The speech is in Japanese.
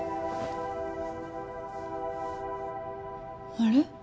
あれ？